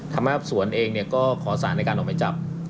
ธรรมศาสตร์ส่วนเองเนี่ยก็ขอสารในการออกมาจับ